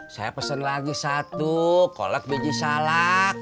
saya pesen lagi satu kolek biji salak